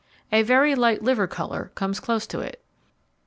A very light liver colour comes close it.